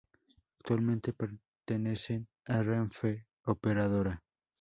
Actualmente pertenecen a Renfe Operadora.